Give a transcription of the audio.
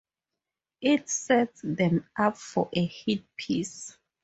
It sets them up for a hit piece.